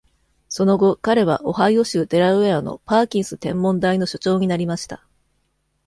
その後、彼はオハイオ州デラウェアのパーキンス天文台の所長になりました。